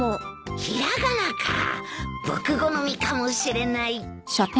平仮名か僕好みかもしれない。